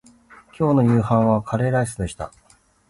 今日の夕飯はカレーライスでした